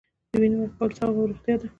د وینې ورکول ثواب او روغتیا ده